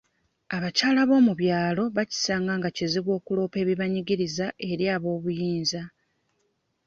Abakyala b'omu byalo bakisanga nga kizibu okuloopa ebibanyigiriza eri aboobuyinza.